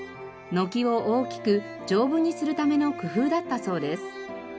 軒を大きく丈夫にするための工夫だったそうです。